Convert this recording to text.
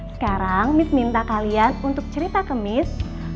sekarang saya minta kalian untuk cerita ke saya